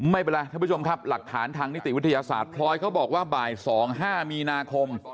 ไม่เป็นไรท่านผู้ชมครับหลักฐานทางนิติวิทยาศาสตร์พลอยเขาบอกว่าบ่าย๒๕มีนาคม